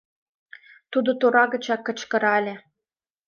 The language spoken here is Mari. — тудо тора гычак кычкырале.